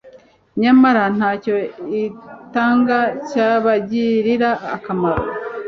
nyamara ntacyo itanga cyabagirira akamaro